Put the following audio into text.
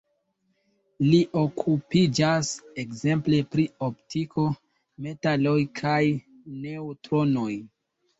Li okupiĝas ekzemple pri optiko, metaloj kaj neŭtronoj.